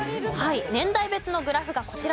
年代別のグラフがこちらです。